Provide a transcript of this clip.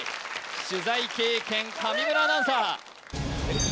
取材経験上村アナウンサー